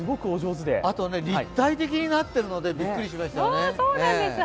立体的になってるのでびっくりしました。